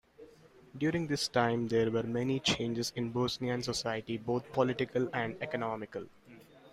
During this time there were many changes in Bosnian society, both political and economical.